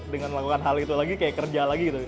dengan melakukan hal itu lagi kayak kerja lagi gitu